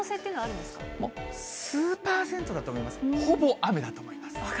ほぼ雨だと思います。